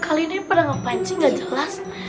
eh eh eh kali ini pada ngepancing nggak jelas